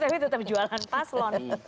tapi tetap jualan paslon